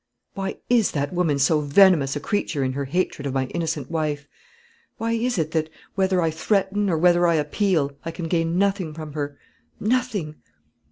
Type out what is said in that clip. "Why is that woman so venomous a creature in her hatred of my innocent wife? Why is it that, whether I threaten, or whether I appeal, I can gain nothing from her nothing?